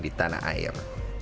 di tanah air